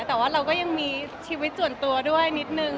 แต่ว่าเราก็ยังมีชีวิตส่วนตัวด้วยนิดนึง